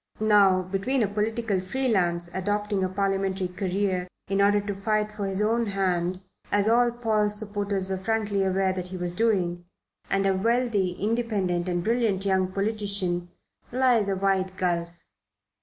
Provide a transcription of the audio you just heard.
Now between a political free lance adopting a parliamentary career in order to fight for his own hand, as all Paul's supporters were frankly aware that he was doing, and a wealthy, independent and brilliant young politician lies a wide gulf.